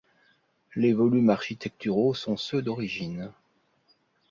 Les volumes architecturaux sont ceux d'origine.